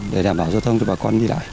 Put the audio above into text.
để đảm bảo giao thông cho bà con đi lại